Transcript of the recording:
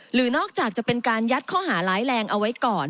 หรือนอกจากจะเป็นการยัดข้อหาร้ายแรงเอาไว้ก่อน